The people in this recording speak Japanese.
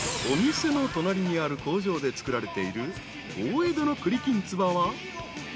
［お店の隣にある工場で作られている大江戸の栗きんつばは］